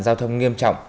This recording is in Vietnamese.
giao thông nghiêm trọng